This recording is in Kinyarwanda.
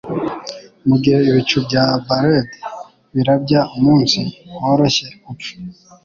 Mugihe ibicu bya barrèd birabya umunsi woroshye-upfa